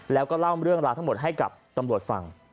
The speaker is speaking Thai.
แล้วก็เล่าเรื่องราวทั้งหมดให้กับตำรวจฟัง